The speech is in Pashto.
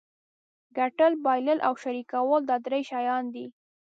ګټل بایلل او شریکول دا درې شیان دي.